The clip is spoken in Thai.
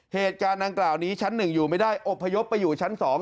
เหตุการณ์ดังกล่าวนี้ชั้น๑อยู่ไม่ได้อบพยพไปอยู่ชั้น๒